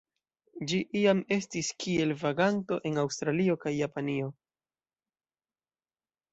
Ĝi iam estis kiel vaganto en Aŭstralio kaj Japanio.